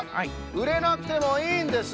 うれなくてもいいんです！